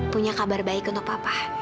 punya kabar baik untuk papa